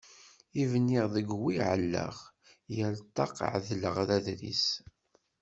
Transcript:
I bniɣ d wi ɛellaɣ, yal ṭṭaq ɛedleɣ ladris.